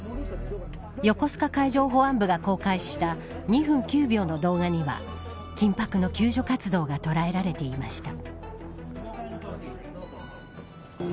横須賀海上保安部が公開した２分９秒の動画には緊迫の救助活動が捉えられていました。